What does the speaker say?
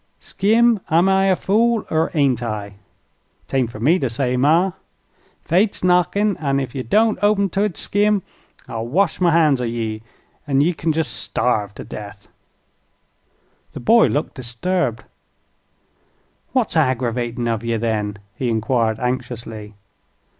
"Skim, am I a fool, er ain't I?" "'Tain't fer me ter say, ma." "Fate's knockin', an' if you don't open to it, Skim, I'll wash my hands o' ye, an' ye kin jest starve to death." The boy looked disturbed. "What's aggrivatin' of ye, then?" he enquired, anxiously.